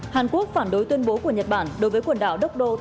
hàn quốc phản đối tuyên bố của nhật bản đối với quần đảo dokdo